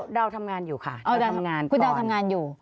ดาวทำงานอยู่ค่ะคุณดาวทำงานอยู่